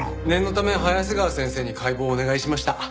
念のため早瀬川先生に解剖をお願いしました。